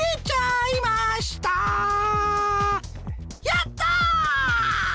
やった！